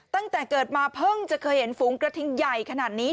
ตั้งแต่เกิดมาเพิ่งจะเคยเห็นฝูงกระทิงใหญ่ขนาดนี้